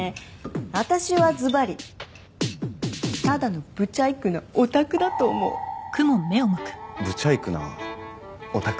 私はズバリただのブチャイクなオタクだと思うブチャイクなオタク？